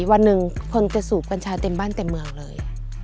วันหนึ่งคนจะสูบกัญชาเต็มบ้านเต็มเมืองเลย